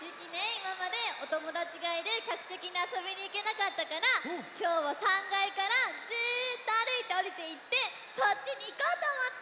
いままでおともだちがいるきゃくせきにあそびにいけなかったからきょうは３がいからずっとあるいておりていってそっちにいこうとおもって！